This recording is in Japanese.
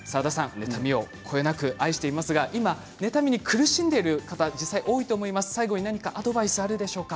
妬みをこよなく愛していますが今、妬みに苦しんでいる方に実際、多いと思いますが何かアドバイスはありますか。